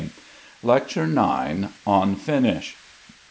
LECTURE IX. ON FINISH.